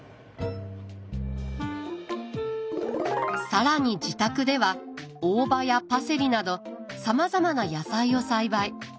更に自宅では大葉やパセリなどさまざまな野菜を栽培。